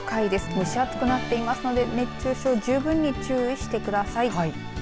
蒸し暑くなってますので熱中症十分に注意してください。